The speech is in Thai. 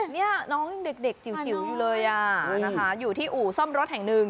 นี่น้องยังเด็กจิ๋วอยู่เลยอ่ะนะคะอยู่ที่อู่ซ่อมรถแห่งหนึ่ง